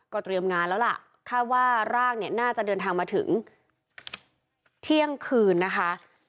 เตรียมงานแล้วล่ะคาดว่าร่างเนี่ยน่าจะเดินทางมาถึงเที่ยงคืนนะคะ